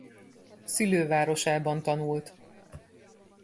Szülővárosában tanult.